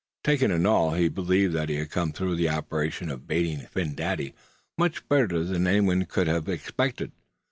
Taken in all, he believed they had come through the operation of baiting Phin Dady much better than any one could have expected.